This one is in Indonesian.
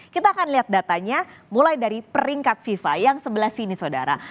kita akan lihat datanya mulai dari peringkat fifa yang sebelah sini saudara